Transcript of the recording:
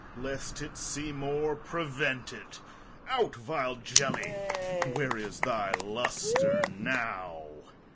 Corn. Lest it see more, prevent it. Out, vile jelly! Where is thy lustre now?